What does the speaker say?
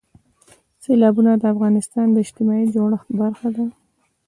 سیلابونه د افغانستان د اجتماعي جوړښت برخه ده.